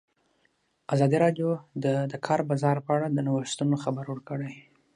ازادي راډیو د د کار بازار په اړه د نوښتونو خبر ورکړی.